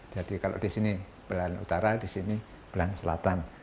jadi kalau di sini belan utara di sini belan selatan